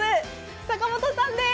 坂本さんです。